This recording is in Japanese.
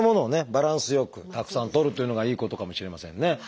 バランスよくたくさんとるというのがいいことかもしれませんね。